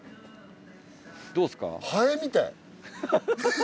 どうっすか？